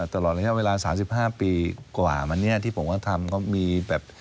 ตลอดระยะเวลา๓๕ปีกว่าที่ผมว่าทำก็มีแบบ